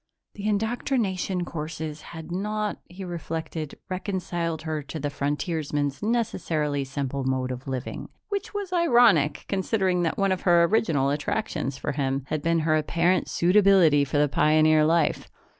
The indoctrination courses had not, he reflected, reconciled her to the frontiersman's necessarily simple mode of living which was ironic, considering that one of her original attractions for him had been her apparent suitability for the pioneer life.